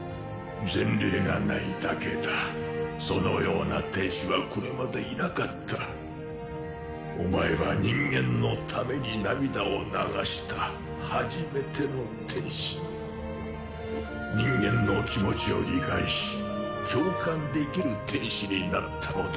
前例がないだけだそのような天使はこれまでいなかったお前は人間のために涙を流した初めての天使人間の気持ちを理解し共感できる天使になったのだ